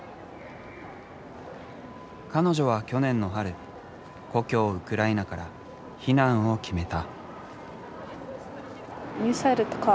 彼女は去年の春故郷ウクライナから避難を決めた。